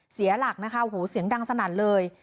เสียหลักนะคะโหเสียงดังสนั่นเลย